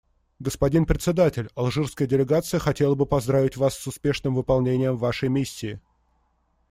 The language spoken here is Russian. Господин Председатель, алжирская делегация хотела бы поздравить Вас с успешным выполнением Вашей миссии.